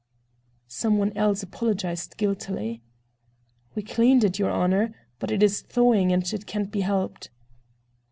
Some one else apologized guiltily. "We cleaned it, your Honor. But it is thawing and it can't be helped."